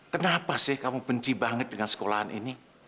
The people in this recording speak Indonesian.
kenapa sih kamu benci banget dengan sekolahan ini